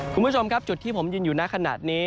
คุณผู้ชมครับจุดที่ผมยืนอยู่หน้าขนาดนี้